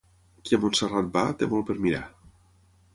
Qui a Montserrat va, té molt per mirar.